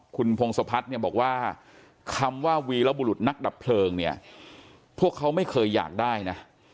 คุณพงศพัฒน์เนี่ยบอกว่าคำว่าวีรบุรุษนักดับเพลิงเนี่ยพวกเขาไม่เคยอยากได้นะ